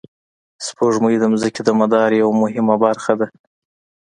سپوږمۍ د ځمکې د مدار یوه مهمه برخه ده